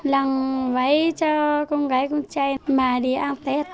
làng váy cho con gái con trai mà đi ăn tết